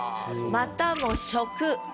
「またも職」。